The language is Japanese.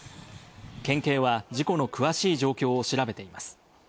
県警は事故の詳しい状況を調べています。